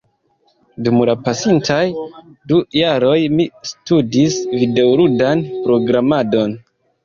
dum la pasintaj du jaroj mi studis videoludan programadon